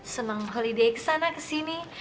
seneng holiday kesana kesini